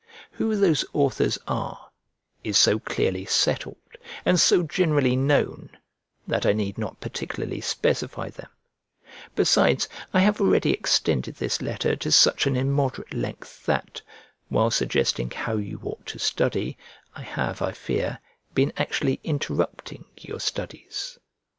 Who those authors are, is so clearly settled, and so generally known, that I need not particularly specify them; besides, I have already extended this letter to such an immoderate length that, while suggesting how you ought to study, I have, I fear, been actually interrupting your studies.